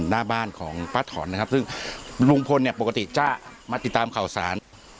หน้าบ้านของพระธรรณนะครับซึ่งลุงพลปกติจะมาติดตามข่าวสาร